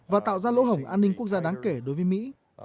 và tạo ra lỗ hổng an ninh quốc gia đáng kể đối với mỹ